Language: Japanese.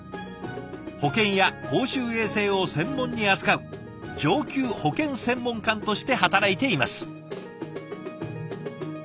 保健や公衆衛生を専門に扱う上級保健専門官として働いています。